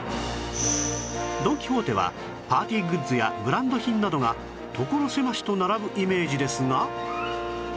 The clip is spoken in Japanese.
ドン・キホーテはパーティーグッズやブランド品などが所狭しと並ぶイメージですが